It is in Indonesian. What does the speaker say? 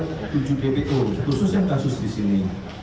kemudian kita juga terbitkan tujuh dpo khusus yang kasus di sini